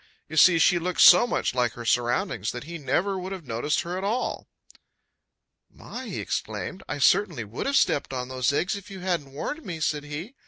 You see she looked so much like her surroundings that he never would have noticed her at all. "My!" he exclaimed. "I certainly would have stepped on those eggs if you hadn't warned me," said he.